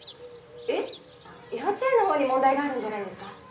えっ幼稚園のほうに問題があるんじゃないですか？